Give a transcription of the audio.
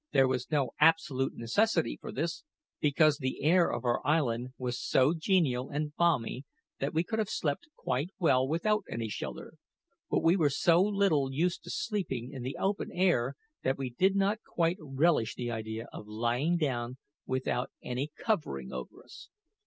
There was no absolute necessity for this, because the air of our island was so genial and balmy that we could have slept quite well without any shelter; but we were so little used to sleeping in the open air that we did not quite relish the idea of lying down without any covering over us.